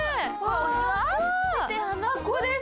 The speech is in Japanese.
ここです！